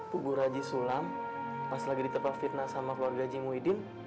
pugu haji sulam pas lagi diterpah fitnah sama keluarga haji muhyiddin